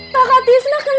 kau mau ulang ya